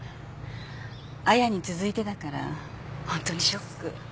亜矢に続いてだからホントにショック。